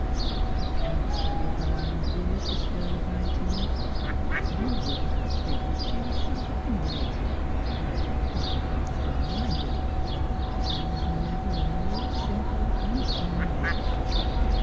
I cannot tell you how I revered this girl ot' nineteen. You will perhaps think that she was self opinionated, or what people call strong minded ; but there was never a more simple unassuming nature.